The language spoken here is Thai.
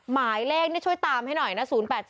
หมายเลขนี่ช่วยตามให้หน่อยนะ๐๘๔